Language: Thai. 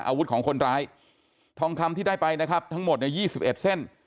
อาวุธของคนร้ายทองคำที่ได้ไปนะครับทั้งหมดเนี่ย๒๑เส้น